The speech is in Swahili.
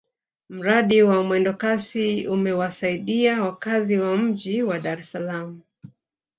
mradi wa mwendokasi umewasaidia wakazi wa mji wa dar es salaam